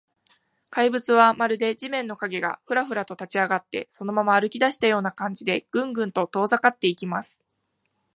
怪物は、まるで地面の影が、フラフラと立ちあがって、そのまま歩きだしたような感じで、グングンと遠ざかっていきます。